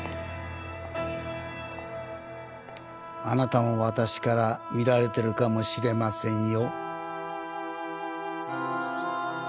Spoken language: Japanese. あなたも私から見られてるかもしれませんよ。